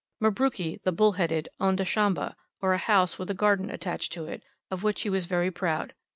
Mabruki the "Bull headed," owned a shamba (or a house with a garden attached to it), of which he was very proud.